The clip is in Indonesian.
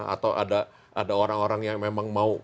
atau ada orang orang yang memang mau